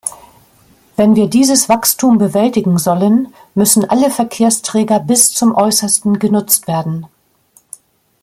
Wenn wir dieses Wachstum bewältigen sollen, müssen alle Verkehrsträger bis zum Äußersten genutzt werden.